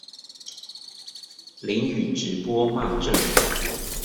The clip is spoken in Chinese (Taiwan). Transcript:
淋雨直播罵政府